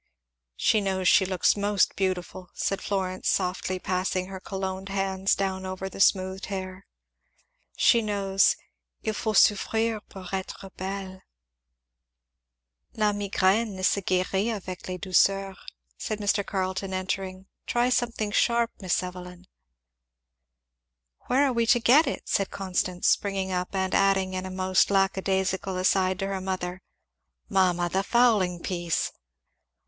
"She knows she looks most beautiful," said Florence, softly passing her cologned hands down over the smooth hair; "she knows "'Il faut souffrir pour être belle.'" "La migraine ne se guérit avec les douceurs," said Mr. Carleton entering; "try something sharp, Miss Evelyn." "Where are we to get it?" said Constance springing up, and adding in a most lack a daisical aside to her mother, "(Mamma! the fowling piece!)